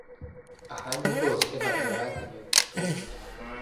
ahandi hose hazaba hagenewe gutura